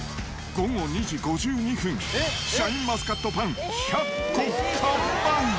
午後２時５２分、シャインマスカットパン１００個完売。